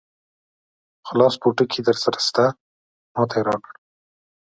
خلاص پوټکی درسره شته؟ ما ته یې راکړ.